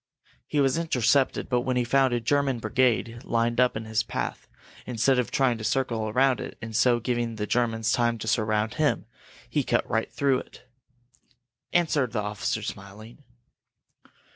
He was intercepted but when he found a German brigade lined up in his path, instead of trying to circle around it, and so giving the Germans time to surround him, he cut right through it!" answered the officer, smiling.